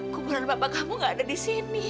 kuburan bapak kamu gak ada di sini